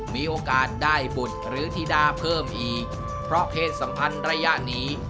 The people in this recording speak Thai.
มีโอกาสได้บุตรหรือธิดาเพิ่มอีกเพราะเพศสัมพันธ์ระยะนี้